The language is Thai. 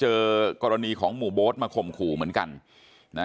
เจอกรณีของหมู่โบ๊ทมาข่มขู่เหมือนกันนะ